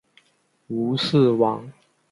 吴氏亡。